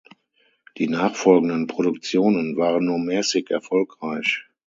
Die nachfolgenden Produktionen waren nur mäßig erfolgreich.